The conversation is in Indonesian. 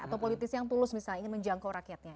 atau politisi yang tulus misalnya ingin menjangkau rakyatnya